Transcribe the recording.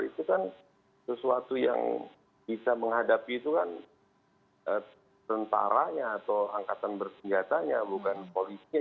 itu kan sesuatu yang bisa menghadapi itu kan tentaranya atau angkatan bersenjatanya bukan polisinya